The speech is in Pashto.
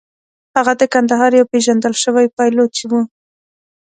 هغه د کندهار یو پېژندل شوی پایلوچ و.